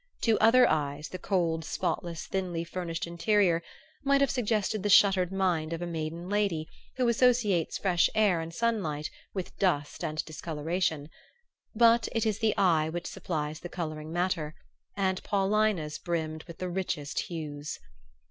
To other eyes the cold spotless thinly furnished interior might have suggested the shuttered mind of a maiden lady who associates fresh air and sunlight with dust and discoloration; but it is the eye which supplies the coloring matter, and Paulina's brimmed with the richest hues.